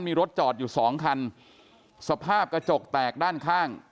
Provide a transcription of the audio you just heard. มีรถจอดอยู่สองคันสภาพกระจกแตกด้านข้าง